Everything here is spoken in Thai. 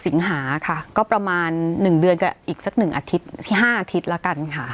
สิงหาค่ะก็ประมาณ๑เดือนกับอีกสัก๑อาทิตย์๕อาทิตย์แล้วกันค่ะ